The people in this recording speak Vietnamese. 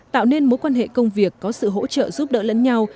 tạo nên mối quan hệ công việc có sự hỗ trợ giúp đỡ lẫn nhau